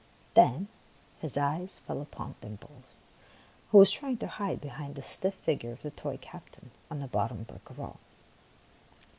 Then his eyes fell upon Dimples, who was trying to hide behind the stiff figure of the toy captain, on the bottom brick of all.